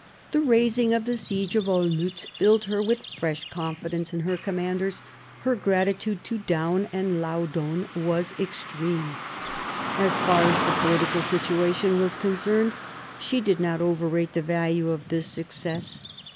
The raising of the siege of Olmiitz filled her with fresh confidence in her commanders ; her gratitude to Daun and Laudon was extreme. As far as the politi cal situation was concerned, she did not overrate the value of this success.